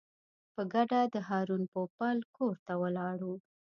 په ګډه د هارون پوپل کور ته ولاړو.